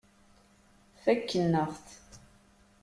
Fakken-aɣ-t.